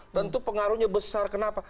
tentu pengaruhnya besar kenapa